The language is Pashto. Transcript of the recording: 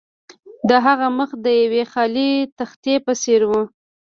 د هغه مخ د یوې خالي تختې په څیر و